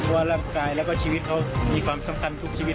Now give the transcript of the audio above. เพราะชีวิตเขามีความสำคัญทุกชีวิต